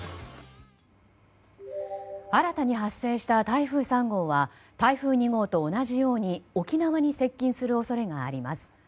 新たに発生した台風３号は台風２号と同じように沖縄に接近する恐れがあります。